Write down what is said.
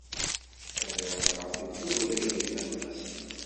Ad iṛabeɛ deg uglagal n At Qasi.